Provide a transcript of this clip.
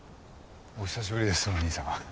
お久しぶりですお義兄さん。